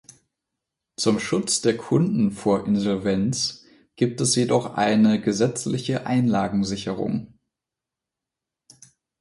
Zum Schutz der Kunden vor Insolvenz gibt es jedoch eine gesetzliche Einlagensicherung.